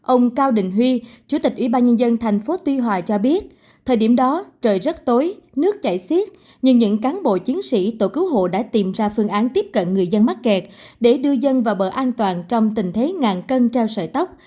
ông cao đình huy chủ tịch ủy ban nhân dân thành phố tuy hòa cho biết thời điểm đó trời rất tối nước chảy xiết nhưng những cán bộ chiến sĩ tổ cứu hộ đã tìm ra phương án tiếp cận người dân mắc kẹt để đưa dân vào bờ an toàn trong tình thế ngàn cân treo sợi tóc